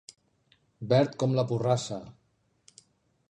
Verd com la porrassa.